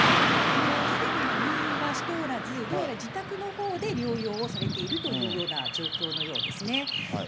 すでに入院はしておらず、どうやら、自宅のほうで療養をされているというような状況のようですね。